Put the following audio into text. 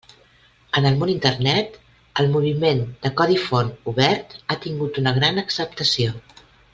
En el món Internet, el moviment de codi font obert ha tingut una gran acceptació.